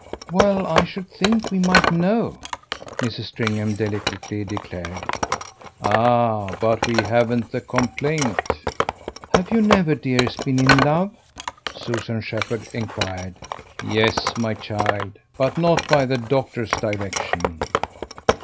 "Well, I should think we might know!" Mrs. Stringham delicately declared. "Ah but we haven't the complaint." "Have you never, dearest, been in love?" Susan Shepherd enquired. "Yes, my child; but not by the doctor's direction."